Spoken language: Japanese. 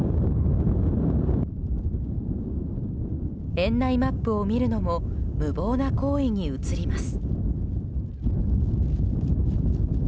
園内マップを見るのも無謀な行為に映ります。